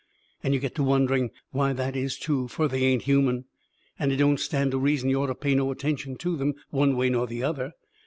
And you get to wondering why that is, too, fur they ain't human; and it don't stand to reason you orter pay no attention to them, one way nor the other.